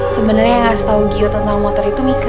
sebenarnya yang ngasih tahu gio tentang motor itu mika